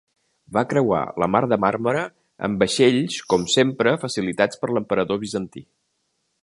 Va creuar la mar de Màrmara amb vaixells com sempre facilitats per l'emperador bizantí.